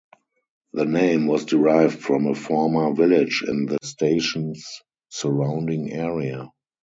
The name was derived from a former village in the station's surrounding area.